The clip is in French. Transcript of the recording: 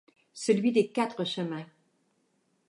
celui des Quatre-Chemins.